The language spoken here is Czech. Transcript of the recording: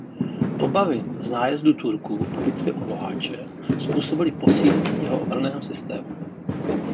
Obavy z nájezdů Turků po bitvě u Moháče způsobily posílení jeho obranného systému.